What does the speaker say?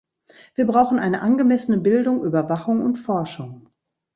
Wir brauchen eine angemessene Bildung, Überwachung und Forschung.